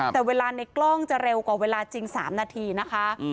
แต่เวลาในกล้องจะเร็วกว่าเวลาจริง๓นาทีนะคะ